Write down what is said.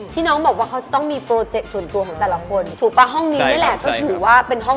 ที่น้องบอกว่าเขาจะต้องมีโปรเจกต์ส่วนตัวหลายคน